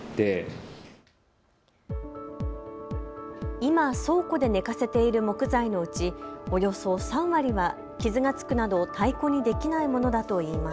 今、倉庫で寝かせている木材のうちおよそ３割は傷がつくなど太鼓にできないものだといいます。